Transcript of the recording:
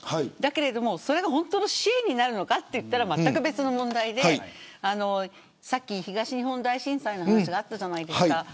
けれども本当に支援になるのかといったら、まったく別の問題で東日本大震災の話があったじゃないですか。